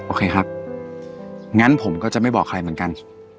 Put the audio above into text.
โอเคครับงั้นผมก็จะไม่บอกใครเหมือนกัน